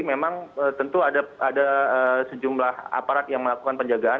memang tentu ada sejumlah aparat yang melakukan penjagaan